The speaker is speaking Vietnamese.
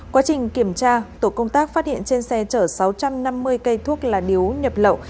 quá trình kiểm tra tổ công tác phát hiện trên xe chở sáu trăm năm mươi cây thuốc lá điếu nhập lậu